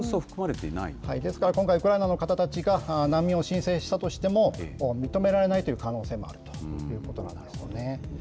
ですから、今回、ウクライナの方たちが難民を申請したとしても、認められないという可能性もあるということなんです。